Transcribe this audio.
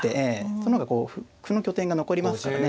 その方が歩の拠点が残りますからね。